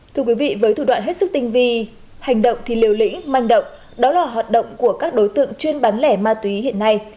thưa quý vị với thủ đoạn hết sức tinh vi hành động thì liều lĩnh manh động đó là hoạt động của các đối tượng chuyên bán lẻ ma túy hiện nay